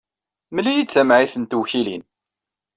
Mmel-iyi-d tamɛayt n tewkilin.